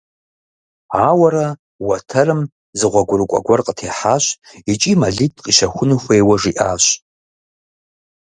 Ауэрэ уэтэрым зы гъуэгурыкӀуэ гуэр къытехьащ икӀи мэлитӀ къищэхуну хуейуэ жиӀащ.